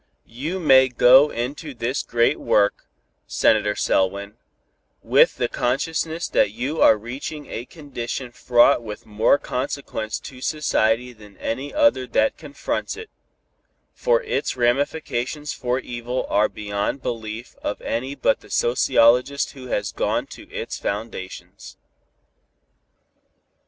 "You may go into this great work, Senator Selwyn, with the consciousness that you are reaching a condition fraught with more consequence to society than any other that confronts it, for its ramifications for evil are beyond belief of any but the sociologist who has gone to its foundations."